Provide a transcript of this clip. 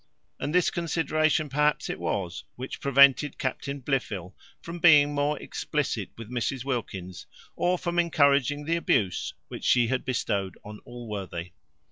And this consideration, perhaps it was, which prevented Captain Blifil from being more explicit with Mrs Wilkins, or from encouraging the abuse which she had bestowed on Allworthy.